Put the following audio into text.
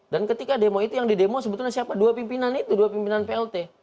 dan ketika demo itu yang di demo sebetulnya siapa dua pimpinan itu dua pimpinan plt